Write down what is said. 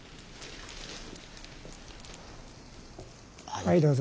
はいどうぞ。